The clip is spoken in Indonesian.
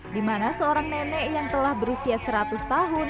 di mana seorang nenek yang telah berusia seratus tahun